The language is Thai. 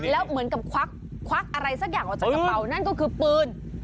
แล้วเหมือนกับควักควักอะไรสักอย่างออกจากกระเป๋านั่นก็คือปืน